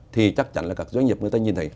thì chắc chắn là các doanh nghiệp người ta nhìn thấy